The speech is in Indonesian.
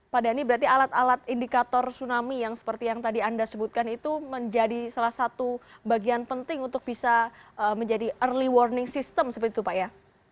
pak dhani berarti alat alat indikator tsunami yang seperti yang tadi anda sebutkan itu menjadi salah satu bagian penting untuk bisa menjadi early warning system seperti itu pak ya